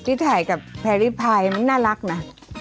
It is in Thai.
ที่ถ่ายกับแพรรี่พายมันน่ารักนะ